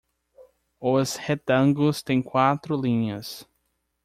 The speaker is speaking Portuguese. Os retângulos têm quatro linhas.